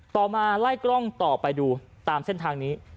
ต่อมาไล่กล้องต่อไปดูตามเส้นทางนี้